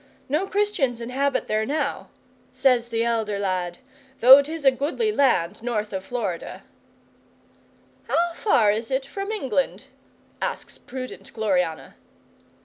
No Christians inhabit there now, says the elder lad, though 'tis a goodly land north of Florida." '"How far is it from England?" asks prudent Gloriana.